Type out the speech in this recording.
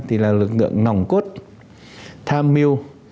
thì là lực lượng nòng cốt tham mưu